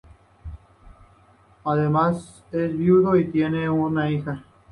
Además es viudo y tiene una hija.